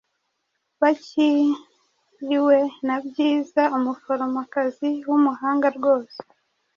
Bakiriwe na Bwiza, umuforomokazi w’umuhanga rwose.